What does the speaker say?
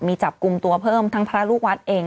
มีจับกลุ่มตัวเพิ่มทั้งพระลูกวัดเอง